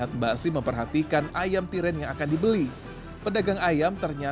kalau misalkan mau nyari gitu buat beli nggak ada